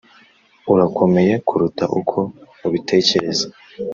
urakomeye kuruta uko ubitekereza.